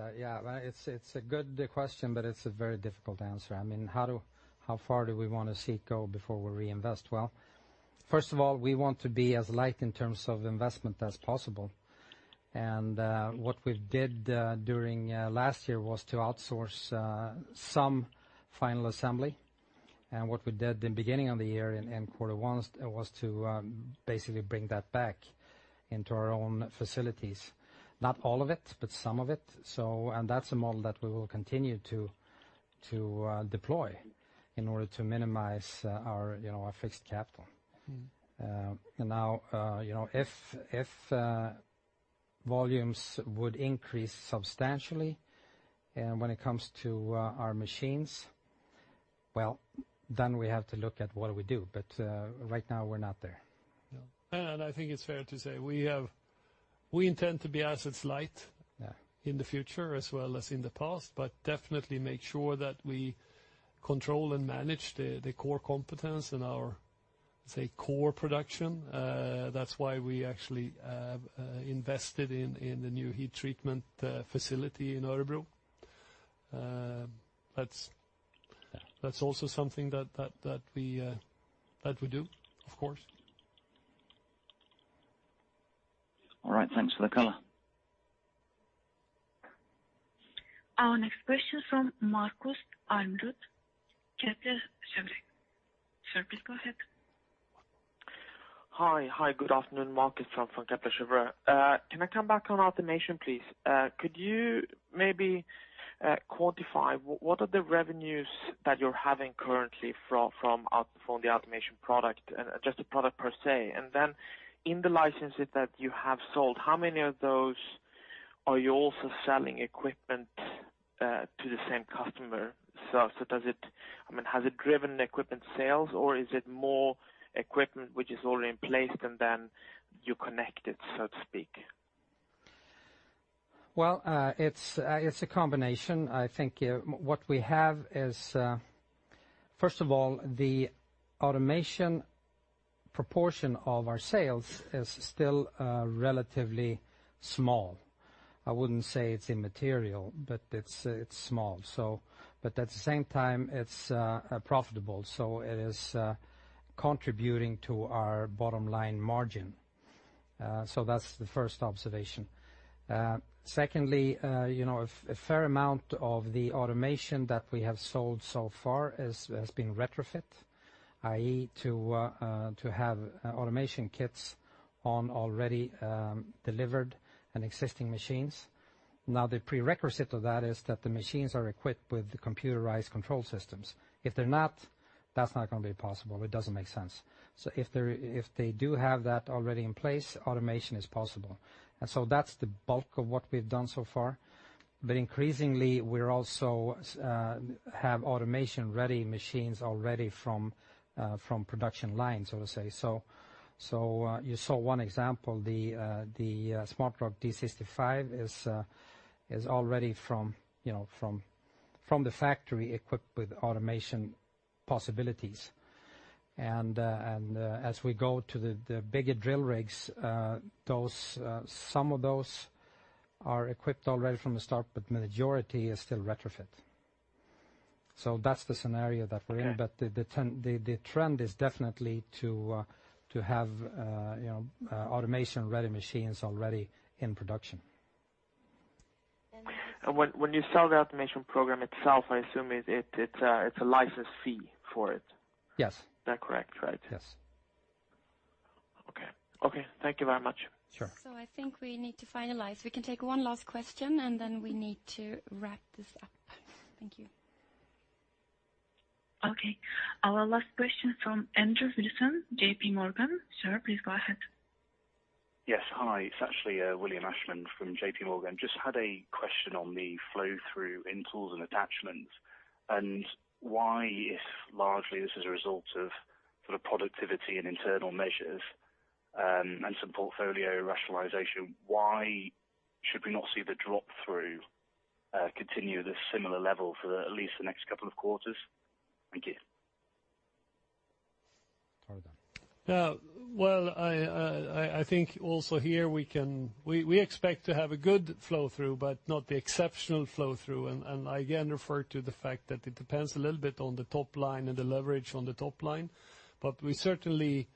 Speaker 2: a good question, but it's a very difficult answer. How far do we want to see it go before we reinvest? Well, first of all, we want to be as light in terms of investment as possible. What we did during last year was to outsource some final assembly. What we did in the beginning of the year in quarter one was to basically bring that back into our own facilities. Not all of it, but some of it. That's a model that we will continue to deploy in order to minimize our fixed capital. Now, if volumes would increase substantially when it comes to our machines, well, then we have to look at what we do. Right now we're not there.
Speaker 3: No. I think it's fair to say we intend to be assets light in the future as well as in the past, but definitely make sure that we control and manage the core competence in our, say, core production. That's why we actually invested in the new heat treatment facility in Örebro. That's also something that we do, of course. All right. Thanks for the color.
Speaker 1: Our next question from Markus Almerud, Kepler Cheuvreux. Sir, please go ahead.
Speaker 10: Hi, good afternoon. Markus Almerud from Kepler Cheuvreux. Can I come back on automation, please? Could you maybe quantify what are the revenues that you're having currently from the automation product, and just the product per se? Then in the licenses that you have sold, how many of those are you also selling equipment to the same customer? Has it driven equipment sales, or is it more equipment which is already in place, and then you connect it, so to speak?
Speaker 2: Well, it's a combination. I think what we have is, first of all, the automation proportion of our sales is still relatively small. I wouldn't say it's immaterial, but it's small. At the same time, it's profitable, so it is contributing to our bottom line margin. That's the first observation. Secondly, a fair amount of the automation that we have sold so far has been retrofit, i.e., to have automation kits on already delivered and existing machines. Now, the prerequisite of that is that the machines are equipped with computerized control systems. If they're not, that's not going to be possible. It doesn't make sense. If they do have that already in place, automation is possible. That's the bulk of what we've done so far. Increasingly, we also have automation-ready machines already from production line, so to say. You saw one example, the SmartROC D65 is already from the factory equipped with automation possibilities. As we go to the bigger drill rigs, some of those are equipped already from the start, but majority is still retrofit. That's the scenario that we're in.
Speaker 10: Okay.
Speaker 2: The trend is definitely to have automation-ready machines already in production.
Speaker 10: When you sell the automation program itself, I assume it's a license fee for it.
Speaker 2: Yes.
Speaker 10: Is that correct, right?
Speaker 2: Yes.
Speaker 10: Okay. Thank you very much.
Speaker 2: Sure.
Speaker 1: I think we need to finalize. We can take one last question, and then we need to wrap this up. Thank you. Okay, our last question from Andrew Wilson, JPMorgan. Sir, please go ahead.
Speaker 11: Yes. Hi. It's actually William Ashman from JPMorgan. Just had a question on the flow through in Tools and Attachments, and why if largely this is a result of sort of productivity and internal measures, some portfolio rationalization, why should we not see the drop through continue this similar level for at least the next couple of quarters? Thank you.
Speaker 3: Well, I think also here we expect to have a good flow through, not the exceptional flow through. I again refer to the fact that it depends a little bit on the top line and the leverage on the top line. We certainly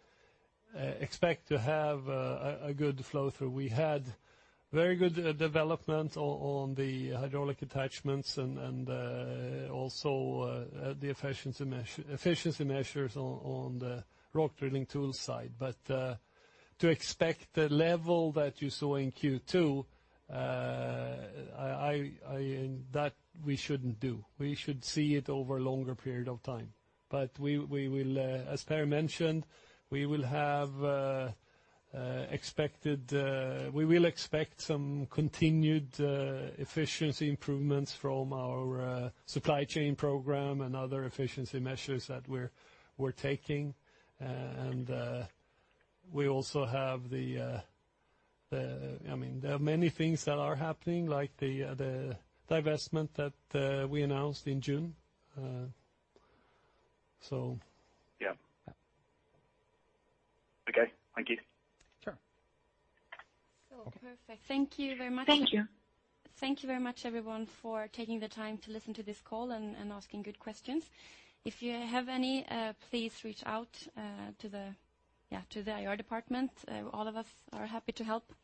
Speaker 3: expect to have a good flow through. We had very good development on the hydraulic attachments and also the efficiency measures on the rock drilling tools side. To expect the level that you saw in Q2, that we shouldn't do. We should see it over a longer period of time. As Perry mentioned, we will expect some continued efficiency improvements from our supply chain program and other efficiency measures that we're taking. We also have There are many things that are happening, like the divestment that we announced in June.
Speaker 11: Yeah. Okay. Thank you.
Speaker 3: Sure.
Speaker 1: Perfect. Thank you very much.
Speaker 2: Thank you.
Speaker 1: Thank you very much, everyone, for taking the time to listen to this call and asking good questions. If you have any, please reach out to the IR department. All of us are happy to help.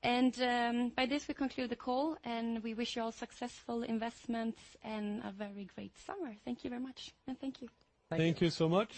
Speaker 1: By this, we conclude the call, and we wish you all successful investments and a very great summer. Thank you very much. Thank you.
Speaker 3: Thank you so much.